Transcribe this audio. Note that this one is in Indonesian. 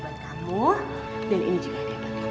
dan ini juga hadiah buat kamu